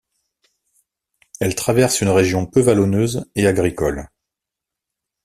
Elle traverse une région peu vallonneuse, et agricole.